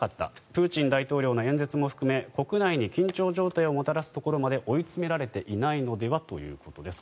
プーチン大統領の演説も含め国内に緊張状態をもたらすところまで追い詰められていないのではということです。